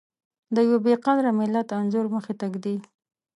د يوه بې قدره ملت انځور مخې ته ږدي.